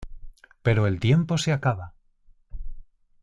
Pero el tiempo se acaba.